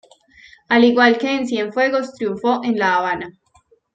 Al igual que en Cienfuegos triunfó en La Habana.